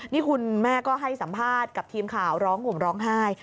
นี่คุณแม่ก็ให้สัมภาษณ์กับทีมข่าวร้องห่มร้องไห้